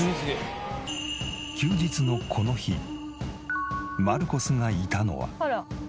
休日のこの日マルコスがいたのは。